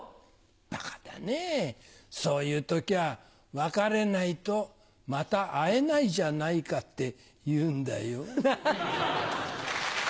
バカだねそういう時は「別れないとまた会えないじゃないか」って言うんだよ。